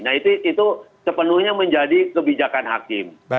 nah itu sepenuhnya menjadi kebijakan hakim